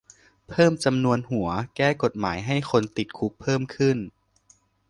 เพิ่มจำนวนหัว แก้กฎหมายให้คนติดคุกเพิ่มขึ้น